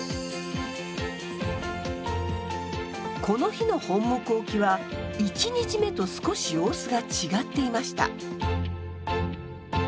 この日の本牧沖は１日目と少し様子が違っていました。